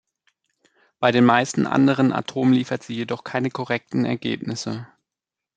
Bei den meisten anderen Atomen liefert sie jedoch keine korrekten Ergebnisse.